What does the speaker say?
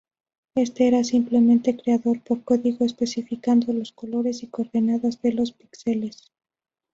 Éste era simplemente creado por código especificando los colores y coordenadas de los píxeles.